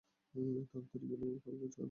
তাড়াতাড়ি গেলেও কালকে ছাড়া পৌছাবো না।